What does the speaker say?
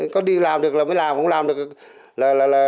có đi làm được là mới làm không làm được là